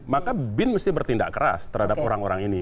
maka bin mesti bertindak keras terhadap orang orang ini